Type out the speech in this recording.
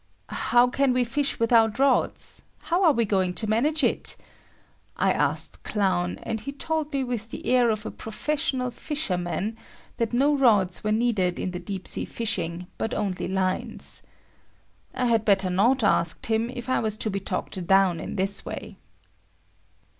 "How can we fish without rods? How are we going to manage it?" I asked Clown and he told me with the air of a professional fisherman that no rods were needed in the deep sea fishing, but only lines. I had better not asked him if I was to be talked down in this way.